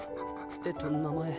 えっと名前。